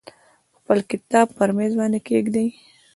خپل کتاب پر میز باندې کیږدئ.